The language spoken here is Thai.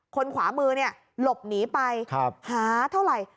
ขวามือเนี่ยหลบหนีไปหาเท่าไหร่